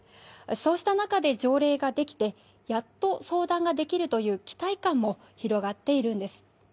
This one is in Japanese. そうした中で条例ができてやっと相談ができるという期待感も広がっているんです。